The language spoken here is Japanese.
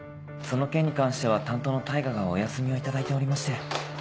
その件に関しては担当の大牙がお休みを頂いておりまして。